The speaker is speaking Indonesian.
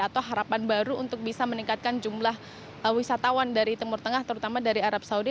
atau harapan baru untuk bisa meningkatkan jumlah wisatawan dari timur tengah terutama dari arab saudi